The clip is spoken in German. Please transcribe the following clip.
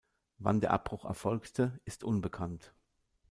Wann der Abbruch erfolgte, ist unbekannt.